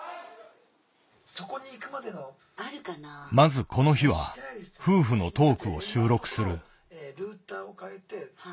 まずこの日は夫婦のトークを収録する。